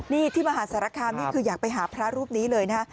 นี่ที่มหาสารคามนี่คืออยากไปหาพระรูปนี้เลยนะ